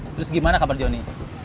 terus gimana kabar jonny